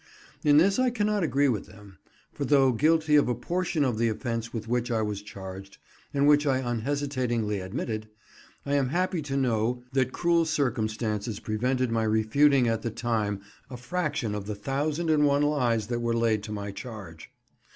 In this I cannot agree with them, for though guilty of a portion of the offence with which I was charged, and which I unhesitatingly admitted, I am happy to know that cruel circumstances prevented my refuting at the time a fraction of the thousand and one lies that were laid to my charge.